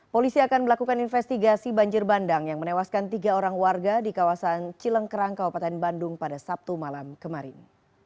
polisi akan melakukan investigasi banjir bandang yang menewaskan tiga orang warga di kawasan cilengkerang kabupaten bandung pada sabtu malam kemarin